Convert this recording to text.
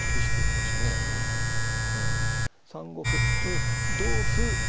３五歩うん同歩